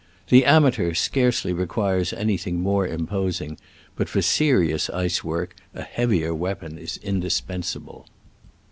The ama teur scarcely requires anything more imposing, but for serious ice work a heavier weapon is in dispensable.